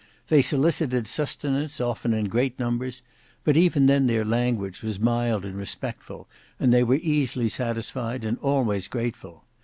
They solicited sustenance often in great numbers, but even then their language was mild and respectful, and they were easily satisfied and always grateful.